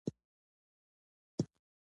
سعودي کې د ژمي شپې خوږې او ارامې وي.